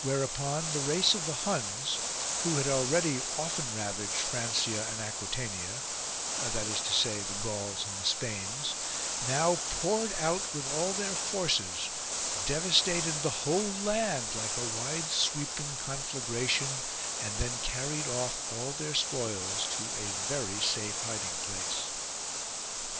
Whereupon the race of the Huns, who had already often ravaged Francia 105 THE HUNNISH RINGS and Aquitania (that is to say the Gauls and the Spains), now poured out with all their forces, de vastated the whole land like a wide sweeping con flagration, and then carried off all their spoils to a very safe hiding place.